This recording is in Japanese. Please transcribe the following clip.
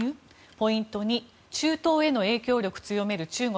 ポイント２中東への影響力を強める中国。